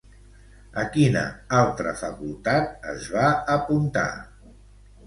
A quina altra facultat es va apuntar?